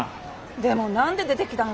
でも何で出てきたのかねえ。